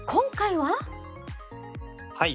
はい。